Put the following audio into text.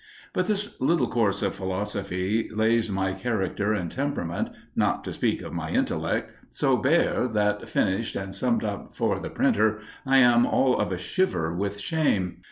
But this little course of philosophy lays my character and temperament, not to speak of my intellect, so bare that, finished and summed up for the printer, I am all of a shiver with shame.